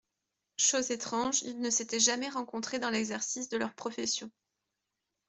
Chose étrange, ils ne s’étaient jamais rencontrés dans l’exercice de leur profession.